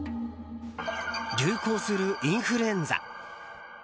流行するインフルエンザ。